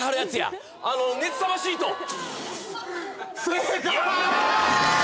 正解！